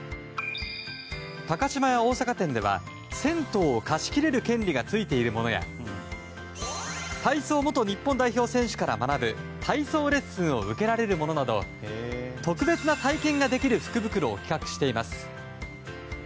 高島屋大阪店では銭湯を貸し切れる権利がついているものや体操元日本代表選手から学ぶ体操レッスンを受けられるものなど特別な体験ができる福袋を企画しています。